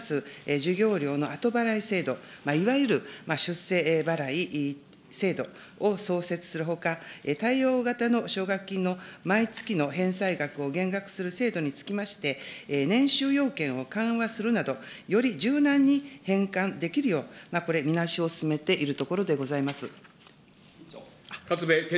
授業料の後払い制度、いわゆる出世払い制度を創設するほか、対応型の奨学金の毎月の返済額を減額する制度につきまして、年収要件を緩和するなど、より柔軟に変換できるよう、これ、見直しを進めているところでございます。